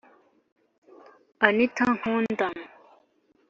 r/ anita nkunda,